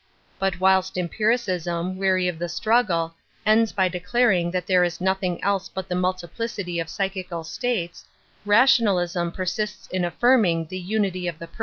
But whilst empiricism,; ■freary of the struggle, ends by declaring) that there ia nothing else but the multi ( plicity of psychical states, rationalism per ) 3tB in affirming the "unity of the person.